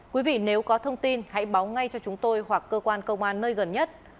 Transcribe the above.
quý vị nếu có thông tin hãy báo ngay cho chúng tôi hoặc cơ quan công an nơi gần nhất